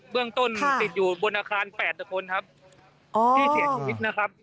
เรื่องต้นติดอยู่บนอาคาร๘ตะบนครับที่เสียชีวิตนะครับ